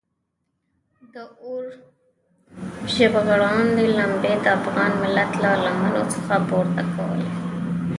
د اور ژبغړاندې لمبې د افغان ملت له لمنو څخه پورته کولې.